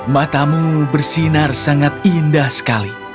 matamu bersinar sangat indah sekali